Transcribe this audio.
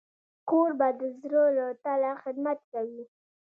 کوربه د زړه له تله خدمت کوي.